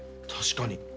確かに。